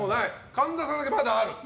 神田さんだけ、まだある。